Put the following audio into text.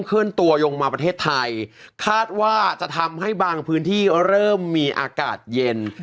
เคลื่อนตัวยงมาประเทศไทยคาดว่าจะทำให้บางพื้นที่เริ่มมีอากาศเย็น